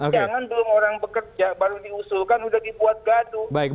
jangan belum orang bekerja baru diusulkan sudah dibuat gaduh